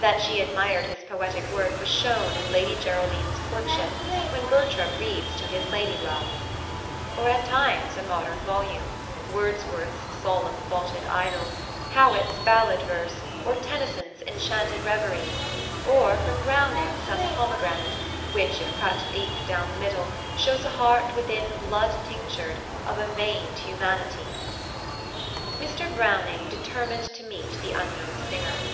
That she admired his poetic work was shown in Lady Geraldine's Courtship, when Bertram reads to his lady love: "Or at times a modern volume, Wordsworth's solemn thoughted idyl, Howitt's ballad verse, or Tennyson's enchanted reverie, Or from Browning some Pomegranate, which, if cut deep down the middle, Shows a heart within blood tinctured, of a veined humanity." Mr. Browning determined to meet the unknown singer.